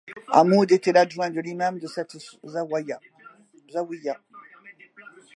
Amoud était l'adjoint de l’imam de cette zâwiya.